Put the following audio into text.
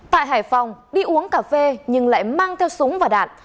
tại hải phòng đi uống cà phê nhưng lại mang theo súng và đạn